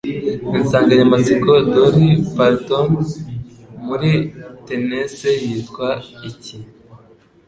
Insanganyamatsiko ya Dolly Parton muri Tennessee yitwa iki?